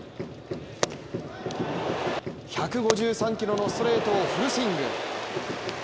１５３キロのストレートをフルスイング！